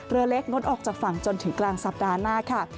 เรือเล็กงดออกจากฝั่งจนถึงกลางสัปดาห์หน้าค่ะ